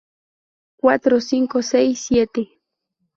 cuatro, cinco, seis, siete